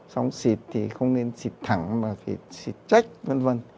xong xịt thì không nên xịt thẳng mà phải xịt trách vân vân